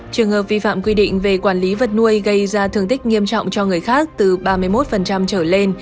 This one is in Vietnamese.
trường hợp vi phạm quy định về quản lý vật nuôi gây ra thương tích nghiêm trọng cho người khác từ ba mươi một trở lên